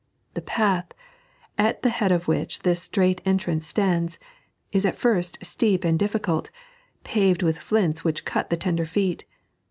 The path, at the head of which this straight entrance stands, is at first steep and difficult, paved with flints which cut the tender feet.